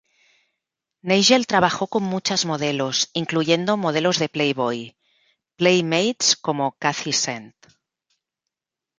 Nagel trabajó con muchas modelos, incluyendo modelos de "Playboy": playmates como Cathy St.